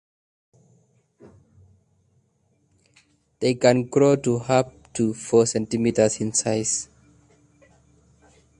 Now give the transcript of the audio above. They can grow to up to four centimeters in size.